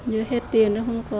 số tiền chín mươi triệu đồng